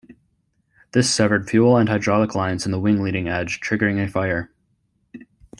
This severed fuel and hydraulic lines in the wing leading edge, triggering a fire.